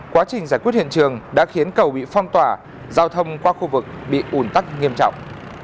quá trình giải quyết hiện trường đã khiến cầu bị phong tỏa giao thông qua khu vực bị ủn tắc nghiêm trọng